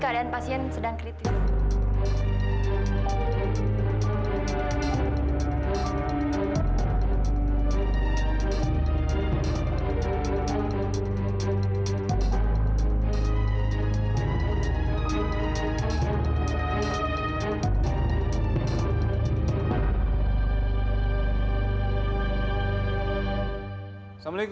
dan hanyalengthas mudah